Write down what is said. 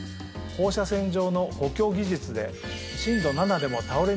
放射線状の補強技術で。